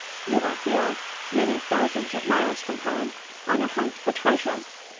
You are here, many thousands of miles from home, on a hunt for treasure.